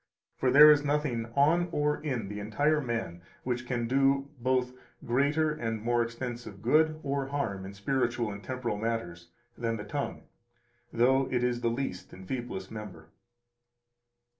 For there is nothing on or in entire man which can do both greater and more extensive good or harm in spiritual and in temporal matters than the tongue, though it is the least and feeblest member.